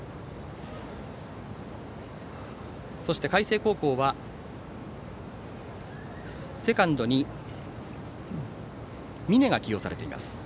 海星高校はセカンドに峯が起用されています。